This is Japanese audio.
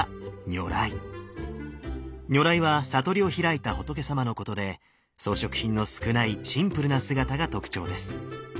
如来は悟りを開いた仏様のことで装飾品の少ないシンプルな姿が特徴です。